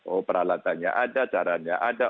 oh peralatannya ada caranya ada